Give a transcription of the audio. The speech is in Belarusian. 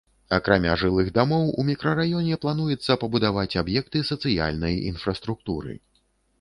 Акрамя жылых дамоў, у мікрараёне плануецца пабудаваць аб'екты сацыяльнай інфраструктуры.